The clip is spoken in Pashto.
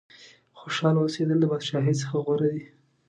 خوشاله اوسېدل د بادشاهۍ څخه غوره دي.